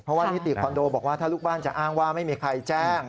เพราะว่านิติคอนโดบอกว่าถ้าลูกบ้านจะอ้างว่าไม่มีใครแจ้ง